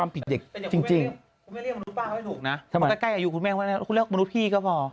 มนุษย์พี่